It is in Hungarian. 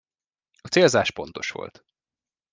A célzás pontos volt.